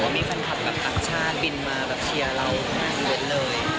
มีแฟนคลับแบบต่างชาติบินมาแบบเชียร์เรา๕๐เลย